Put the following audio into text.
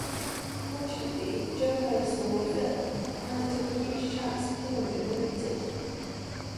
Fortunately, Joe Murray saw my film.. and he took a huge chance, Hillenburg related.